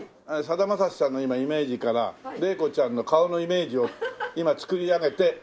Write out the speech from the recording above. さだまさしさんの今イメージから玲子ちゃんの顔のイメージを今作り上げて。